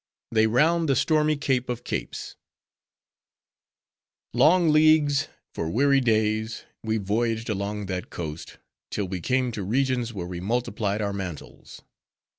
They Round The Stormy Cape Of Capes Long leagues, for weary days, we voyaged along that coast, till we came to regions where we multiplied our mantles.